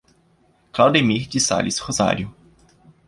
Claudemir de Sales Rosario